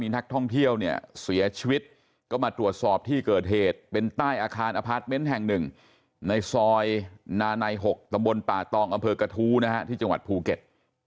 ในซอยน๖ตปาตองอกฐูที่จังหวัดภูเก็ต